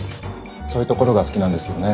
そういうところが好きなんですよね。